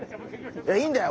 いやいいんだよ